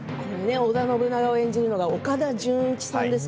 織田信長を演じているのが岡田准一さんです。